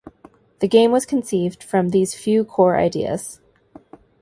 The game was conceived from these few core ideas.